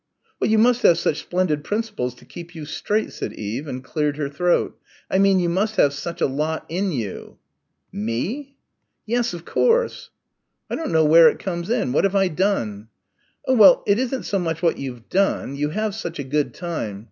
"You must have such splendid principles to keep you straight," said Eve, and cleared her throat, "I mean, you must have such a lot in you." "Me?" "Yes, of course." "I don't know where it comes in. What have I done?" "Oh, well, it isn't so much what you've done you have such a good time....